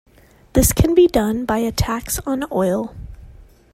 This can be done by a tax on oil.